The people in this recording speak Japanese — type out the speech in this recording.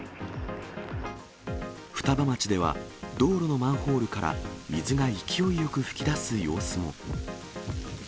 双葉町では道路のマンホールから、水が勢いよく噴き出す様子も。